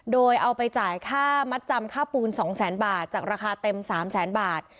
โดยเอาไปจ่ายค่ามัดจำค่าปูน๒แสนบาทจากราคาเต็ม๓แสนบาท